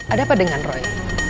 ada apa dengan roy